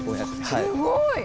すごい！